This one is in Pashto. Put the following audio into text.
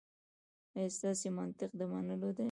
ایا ستاسو منطق د منلو دی؟